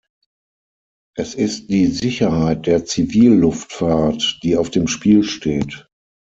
Es ist die Sicherheit der Zivilluftfahrt, die auf dem Spielt steht.